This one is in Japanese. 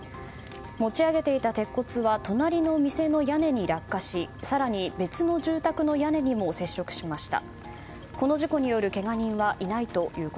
持ち上げていた鉄骨は隣の店の屋根に落下し更に、別の住宅の屋根にも接触しました。